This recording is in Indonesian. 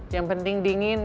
yang penting dingin